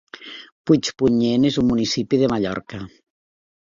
Puigpunyent és un municipi de Mallorca.